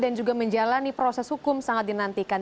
dan juga menjalani proses hukum sangat dinantikan